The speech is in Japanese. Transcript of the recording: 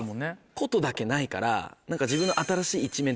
琴だけないから。